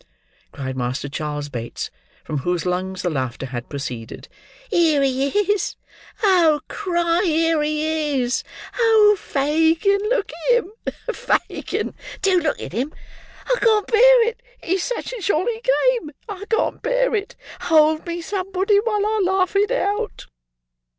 cried Master Charles Bates, from whose lungs the laughter had proceeded: "here he is! oh, cry, here he is! Oh, Fagin, look at him! Fagin, do look at him! I can't bear it; it is such a jolly game, I can't bear it. Hold me, somebody, while I laugh it out."